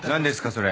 それ。